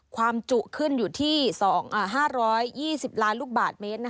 ความจุขึ้นอยู่ที่๕๒๐ล้านลูกบาทเมตร